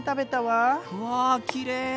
うわきれい。